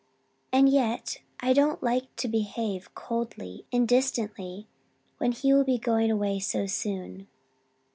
And yet I don't like to behave coldly and distantly when he will be going away so soon.